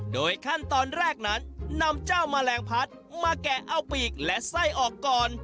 โดยขั้นตอนแรกนั้นนำเจ้าแมลงพัดมาแกะเอาปีกและไส้ออกก่อน